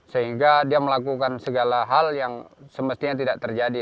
sehingga dia melakukan segala hal yang semestinya tidak terjadi